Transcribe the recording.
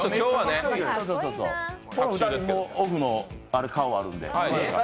オフの顔、あるんで。